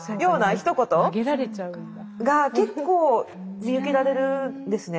ひと言が結構見受けられるんですね。